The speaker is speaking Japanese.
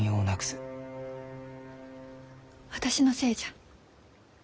私のせいじゃ。